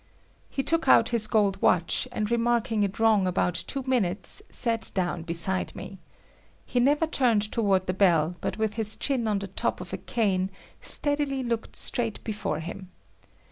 He took out his gold watch, and remarking it wrong about two minutes sat down beside me. He never turned toward the belle, but with his chin on the top of a cane, steadily looked straight before him.